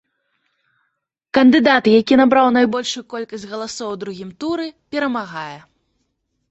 Кандыдат, які набраў найбольшую колькасць галасоў у другім туры, перамагае.